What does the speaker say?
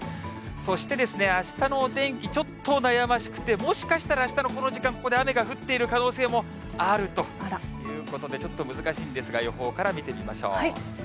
そして、あしたのお天気、ちょっと悩ましくて、もしかしたら、あしたのこの時間、ここで雨が降っている可能性もあるということで、ちょっと難しいんですが、予報から見てみましょう。